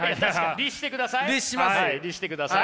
律してください。